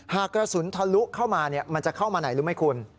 หากกระสุนทะลุเข้ามามันจะเข้ามาไหนรู้ไหมคุณ